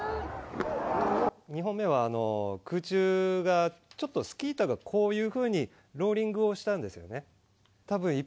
２本目は、空中が、ちょっとスキー板がこういうふうにローリングをしたんですよね。